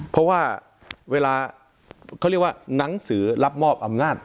เพราะว่าเวลาเขาเรียกว่าหนังสือรับมอบอำนาจ